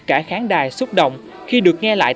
cả kháng đài xúc động khi được nghe lại